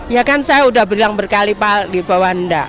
ya kan saya sudah berlang berkali kali di bawanda